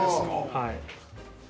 はい。